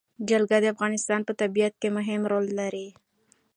جلګه د افغانستان په طبیعت کې مهم رول لري.